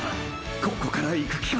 ここからいく気か！！